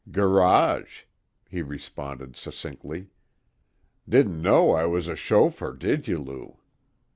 "Garage," he responded succinctly. "Didn't know I was a chauffeur, did you, Lou?"